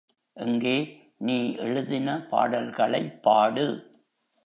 எங்கே நீ எழுதின பாடல்களைப் பாடு.